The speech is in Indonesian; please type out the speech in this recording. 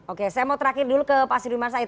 oke saya mau terakhir dulu ke pak sudirman said